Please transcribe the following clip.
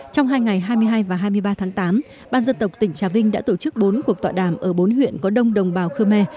trong hai ngày hai mươi hai và hai mươi ba tháng tám ban dân tộc tỉnh trà vinh đã tổ chức bốn cuộc tọa đàm ở bốn huyện có đông đồng bào khơ me